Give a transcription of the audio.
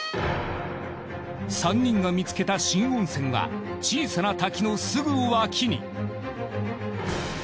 ３人が見つけた新温泉は小さな滝のすぐ脇に。